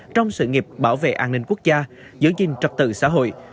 trong sự nghiệp bảo vệ an ninh quốc gia giới dinh trật tự xã hội